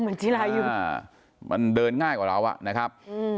กีฬาอยู่อ่ามันเดินง่ายกว่าเราอ่ะนะครับอืม